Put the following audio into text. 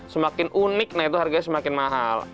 semakin unik nah itu harganya semakin mahal